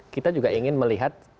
kita juga ingin melihat